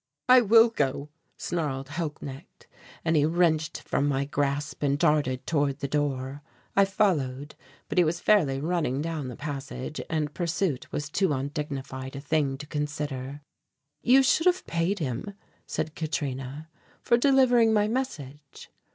"I will go," snarled Holknecht, and he wrenched from my grasp and darted toward the door. I followed, but he was fairly running down the passage and pursuit was too undignified a thing to consider. "You should have paid him," said Katrina, "for delivering my message."